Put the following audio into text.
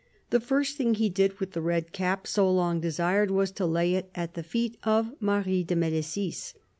The first thing he did with the red cap so long desired was to lay it at the feet of Marie de Medicis.